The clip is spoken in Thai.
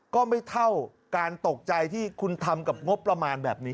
ก็ไม่เท่าการตกใจที่คุณทำกับงบประมาณแบบนี้